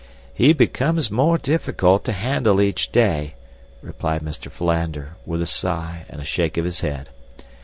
"He becomes more difficult to handle each day," replied Mr. Philander, with a sigh and a shake of his head.